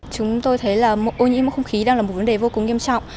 chúng tôi thấy ô nhiễm không khí đang là một vấn đề vô cùng nghiêm trọng